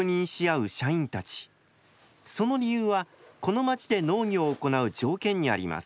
その理由はこの町で農業を行う条件にあります。